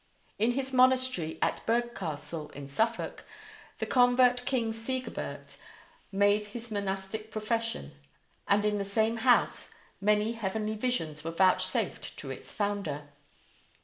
In his monastery at Burghcastle, in Suffolk, the convert king Sigebert made his monastic profession, and in the same house many heavenly visions were vouchsafed to its founder.